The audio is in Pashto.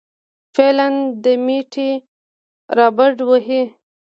فعالان دي مټې رابډ وهي.